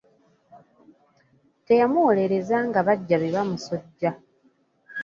Teyamuwolereza nga baggya be bamusojja.